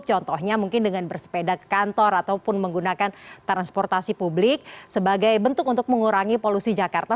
contohnya mungkin dengan bersepeda ke kantor ataupun menggunakan transportasi publik sebagai bentuk untuk mengurangi polusi jakarta